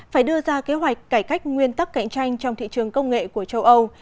phải đưa ra kế hoạch cải cách nguyên tắc cạnh tranh trong thị trường công nghệ của châu âu